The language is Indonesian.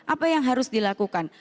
apa yang harus dilakukan